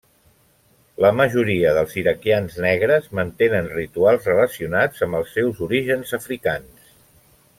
La majoria dels iraquians negres mantenen rituals relacionats amb els seus orígens africans.